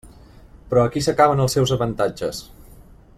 Però aquí s'acaben els seus avantatges.